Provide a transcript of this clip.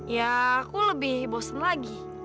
ya aku lebih bosen lagi